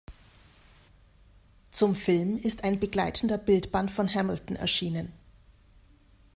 Zum Film ist ein begleitender Bildband von Hamilton erschienen.